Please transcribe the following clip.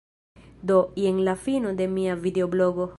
Do, jen la fino de mia videoblogo.